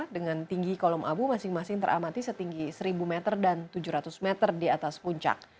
dengan tinggi kolom abu masing masing teramati setinggi seribu meter dan tujuh ratus meter di atas puncak